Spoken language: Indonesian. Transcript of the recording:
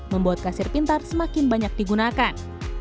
membuat kasir pintar semakin banyak digunakan